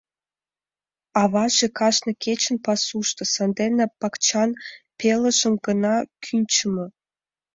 Аваже кажне кечын пасушто, сандене пакчан пелыжым гына кӱнчымӧ.